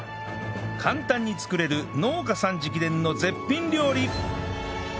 簡単に作れる農家さん直伝の絶品料理